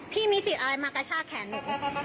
พี่มีสิทธิ์อะไรมากระชากแขนหนู